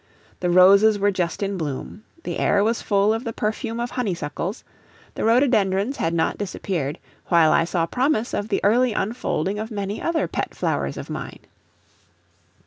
The roses were just in bloom, the air was full of the perfume of honeysuckles, the rhododendrons had not disappeared, while I saw promise of the early unfolding of many other pet flowers of mine.